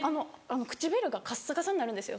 唇がカッサカサになるんですよ